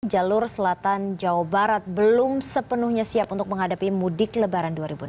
jalur selatan jawa barat belum sepenuhnya siap untuk menghadapi mudik lebaran dua ribu enam belas